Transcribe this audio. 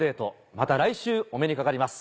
また来週お目にかかります。